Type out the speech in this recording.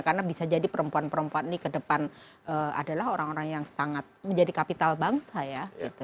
karena bisa jadi perempuan perempuan ini ke depan adalah orang orang yang sangat menjadi kapital bangsa ya